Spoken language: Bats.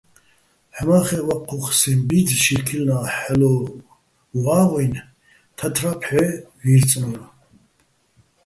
ჰ̦ამა́ხეჸ ვაჴჴუ́ხ სეჼ ბი́ძ შირქილნა́ ჰ̦ალო̆ ვა́ღუჲნი̆ თათრა́ ფჰ̦ე ვი́რწნო́რ.